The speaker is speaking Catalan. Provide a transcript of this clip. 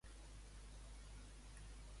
Pots dir-me quina hora és al municipi d'Akita?